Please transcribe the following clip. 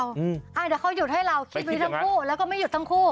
เดี๋ยวเขาหยุดให้เราคิดไว้ทั้งคู่แล้วก็ไม่หยุดทั้งคู่